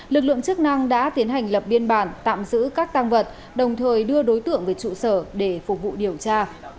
lực lượng chức năng đã tiến hành lập biên bản tạm giữ các tăng vật đồng thời đưa đối tượng về trụ sở để phục vụ điều tra